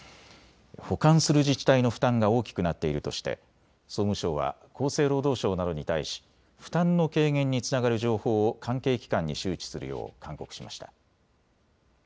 保管する自治体の負担が大きくなっているとして総務省は厚生労働省などに対し負担の軽減につながる情報を関係機関に周知するよう勧告しました。